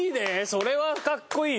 それはかっこいいよ。